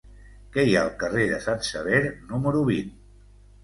Què hi ha al carrer de Sant Sever número vint?